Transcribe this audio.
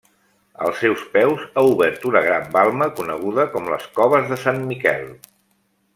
Als seus peus ha obert una gran balma, coneguda com les Coves de Sant Miquel.